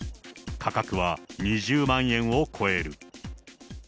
価格は２０万円を超える。